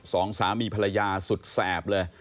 สองสามีภรรยาสุดแสบเลย